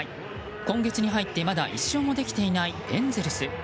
今月に入って、まだ１勝もできていないエンゼルス。